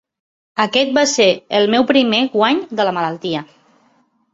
Aquest va ser el meu primer guany de la malaltia.